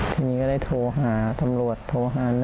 ทีนี้ก็ได้โทรหาสำรวจโทรหา๑๙๑๑๖๙